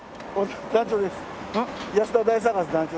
団長です。